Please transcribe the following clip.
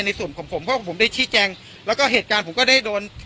ในส่วนของผมเพราะผมได้ชี้แจงแล้วก็เหตุการณ์ผมก็ได้โดน